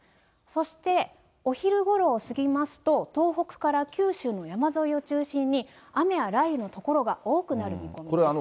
そしてお昼ごろを過ぎますと、東北から九州の山沿いを中心に、雨や雷雨の所が多くなる見込みです。